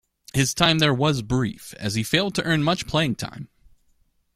His time there was brief, as he failed to earn much playing time.